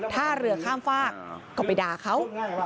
ถ้าเรือข้ามฝากก็ไปด่าเขา